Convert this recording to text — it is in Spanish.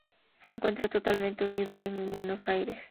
Se encuentra totalmente unido al Gran Buenos Aires.